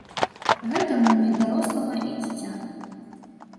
Гэта муміі дарослага і дзіця.